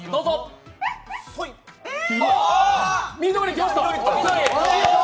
緑、きました。